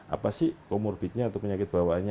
apa sih komorbitnya atau penyakit bawaannya